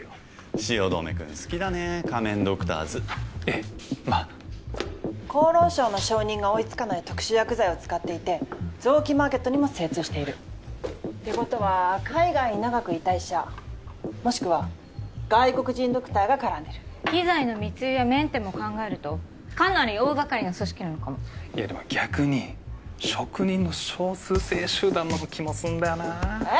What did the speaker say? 汐留くん好きだね仮面ドクターズええまあ厚労省の承認が追いつかない特殊薬剤を使っていて臓器マーケットにも精通しているってことは海外に長くいた医者もしくは外国人ドクターが絡んでる器材の密輸やメンテも考えるとかなり大がかりな組織なのかもいやでも逆に職人の少数精鋭集団の気もすんだよなえっ？